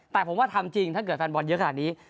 แต่ผมว่าทำจริงถ้าเกิดแฟนบอลเยอะขนาดนี้